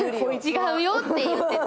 「違うよ」って言ってて。